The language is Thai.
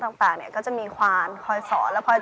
ชื่องนี้ชื่องนี้ชื่องนี้ชื่องนี้ชื่องนี้